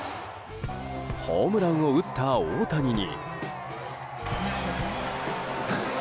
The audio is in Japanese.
ホームランを打った大谷に。